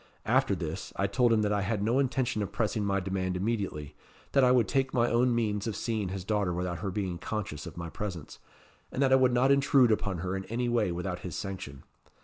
After this, I told him that I had no intention of pressing my demand immediately; that I would take my own means of seeing his daughter without her being conscious of my presence; and that I would not intrude upon her in any way without his sanction.